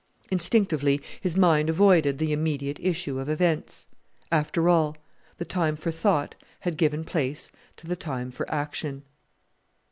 Instinctively his mind avoided the immediate issue of events. After all, the time for thought had given place to the time for action.